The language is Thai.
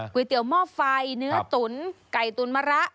ก๋วยเตี๋ยวหม้อไฟเนื้อตุ๋นไก่ตุ๋นมะระ